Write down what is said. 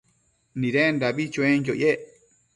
Nidendabi chuenquio yec